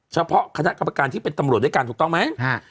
เฉพาะคณะกรรมการที่เป็นตำรวจด้วยกันถูกต้องไหม